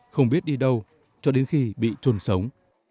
không biết đi đâu cho đến khi bị trôn sống